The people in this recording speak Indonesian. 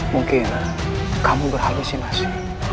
mungkin kamu berhalusinasi